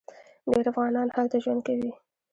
ډیر افغانان هلته ژوند کوي.